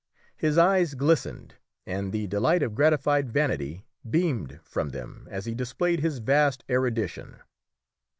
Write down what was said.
His eyes glistened, and the delight of gratified vanity beamed from them as he displayed his vast erudition.